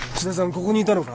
ここにいたのか？